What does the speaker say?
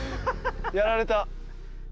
やられた。